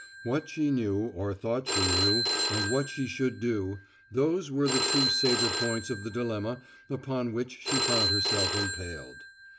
What she knew, or thought she knew and what she should do those were the two saber points of the dilemma upon which she found herself impaled.